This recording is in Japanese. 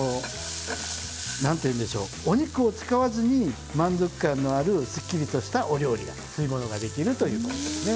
お肉を使わずに満足感のあるすっきりとしたお料理が吸い物ができるということですね。